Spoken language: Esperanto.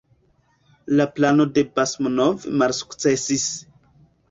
La plano de Basmanov malsukcesis.